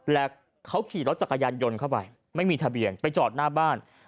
และเขาขี่รถจักรยานยนต์เข้าไปไม่มีทะเบียนไปจอดหน้าบ้าน